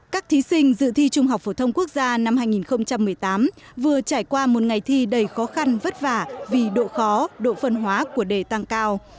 các thí sinh dự thi trung học phổ thông quốc gia năm hai nghìn một mươi tám vừa trải qua một ngày thi đầy khó khăn vất vả vì độ khó độ phân hóa của đề tăng cao